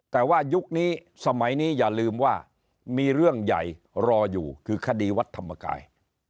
แต่ว่ายุคนี้สมัยนี้อย่าลืมว่ามีเรื่องใหญ่รออยู่คือคดีวัดธรรมกาย